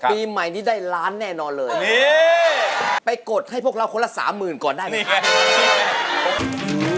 ปีใหม่นี้ได้ล้านแน่นอนเลย